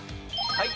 はい。